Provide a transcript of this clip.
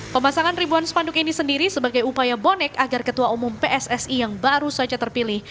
pemasangan ribuan spanduk ini sendiri sebagai upaya bonek agar ketua umum pssi yang baru saja terpilih